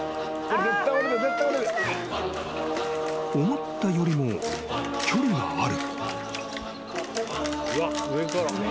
［思ったよりも距離がある］